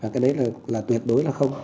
cái đấy là tuyệt đối là không